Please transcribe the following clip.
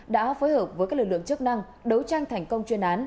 đã phối hợp với các lực lượng chức năng đấu tranh thành công chuyên án